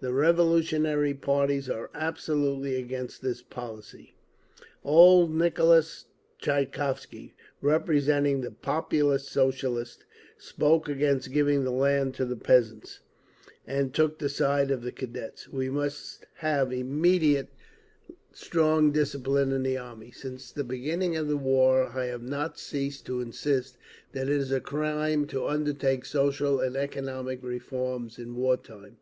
The revolutionary parties are absolutely against this policy…." Old Nicholas Tchaikovsky, representing the Populist Socialists, spoke against giving the land to the peasants, and took the side of the Cadets: "We must have immediately strong discipline in the army…. Since the beginning of the war I have not ceased to insist that it is a crime to undertake social and economic reforms in war time.